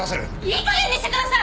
いいかげんにしてください！